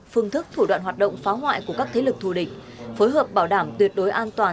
phương thức thủ đoạn hoạt động phá hoại của các thế lực thù địch phối hợp bảo đảm tuyệt đối an toàn